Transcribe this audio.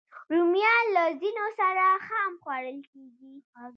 رومیان له ځینو سره خام خوړل کېږي